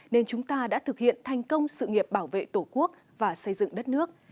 nên chúng ta đã thực hiện thành công sự nghiệp bảo vệ tổ quốc và xây dựng đất nước